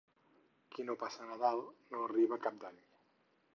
Qui no passa Nadal no arriba a Cap d'Any.